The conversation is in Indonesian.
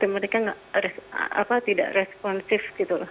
mereka tidak responsif